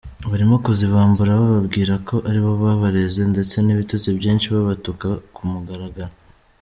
Barimo kuzibambura bababwira ko aribo babareze ndetse n’ibitutsi byinshi babatuka ku mugaragaro.